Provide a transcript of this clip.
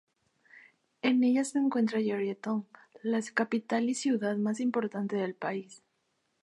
En ella se encuentra Georgetown, la capital y ciudad más importante del país.